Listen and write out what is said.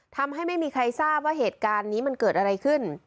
ทำให้ไม่มีใครทราบว่าเหตุการณ์นี้มันเกิดอะไรขึ้น